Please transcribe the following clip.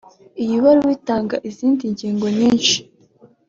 Iyi baruwa itanga izindi ngingo nyinshi